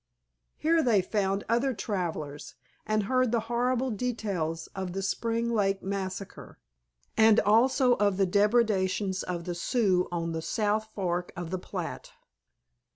Here they found other travelers and heard the horrible details of the Spring Lake massacre, and also of the depredations of the Sioux on the South Fork of the Platte.